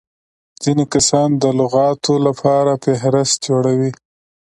ځيني کسان د لغاتو له پاره فهرست جوړوي.